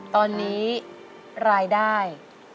ตอนนี้รายได้